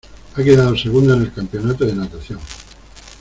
Ha quedado segunda en el campeonato de natación.